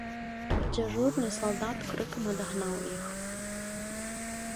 Дзяжурны салдат крыкам адагнаў іх.